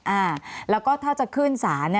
อ่าแล้วก็ถ้าจะขึ้นศาล